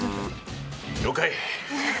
了解。